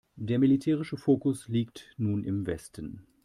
Der militärische Fokus liegt nun im Westen.